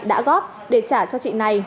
đã góp để trả cho chị này